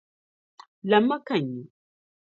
Lamm’ ma ka n nya!